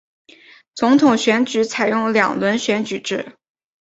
总统选举采用两轮选举制。